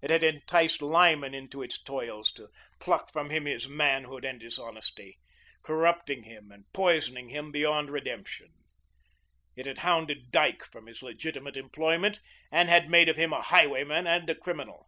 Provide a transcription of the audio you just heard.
It had enticed Lyman into its toils to pluck from him his manhood and his honesty, corrupting him and poisoning him beyond redemption; it had hounded Dyke from his legitimate employment and had made of him a highwayman and criminal.